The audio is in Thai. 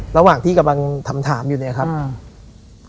ระหว่างที่กำลังทำถามอยู่เนี่ยครับอืม